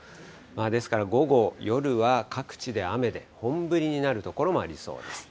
ですから午後、夜は各地で雨で、本降りになる所もありそうです。